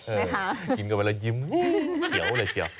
กินกันไปแล้วยิ้มเขียวเลยเชียว